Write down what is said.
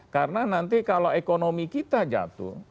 karena nanti kalau ekonomi kita jatuh